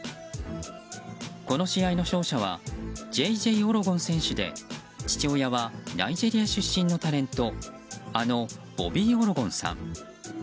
この試合の勝者はジェイジェイ・オロゴン選手で父親はナイジェリア出身タレントあのボビー・オロゴンさん。